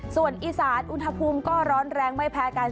ส่วนอีสานอุณหภูมิก็ร้อนแรงไม่แพ้กัน